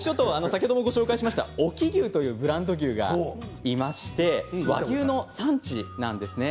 先ほどご紹介した隠岐牛というブランド牛がいて和牛の産地なんです。